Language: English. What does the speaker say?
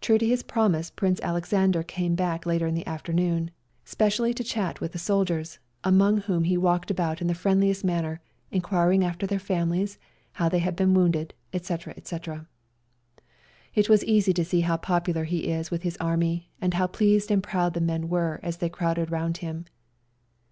True to his promise Prince Alexander came back later in the afternoon, specially to chat with the soldiers, among " SLAVA DAY " 239 whom he walked about in the friendUest manner, enquiring after their families, how they had been wounded, etc., etc. It was easy to see how popular he is with his Army, and how pleased and proud the men were as they crowded round him.